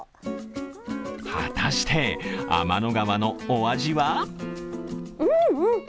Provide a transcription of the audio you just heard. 果たして、天の川のお味は？